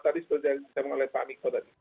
seperti yang tadiasi terdengernya pak amiko tadi